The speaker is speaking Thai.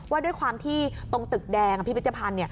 ว่าด้วยความที่ตรงตึกแดงพิพิธภัณฑ์